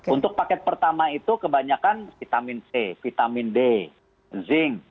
untuk paket pertama itu kebanyakan vitamin c vitamin d zinc